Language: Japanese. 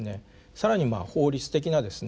更に法律的なですね